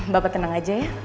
bapak tenang aja ya